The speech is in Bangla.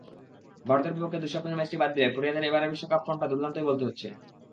ভারতের বিপক্ষে দুঃস্বপ্নের ম্যাচটি বাদ দিলে প্রোটিয়াদের এবারের বিশ্বকাপ-ফর্মটা দুর্দান্তই বলতে হচ্ছে।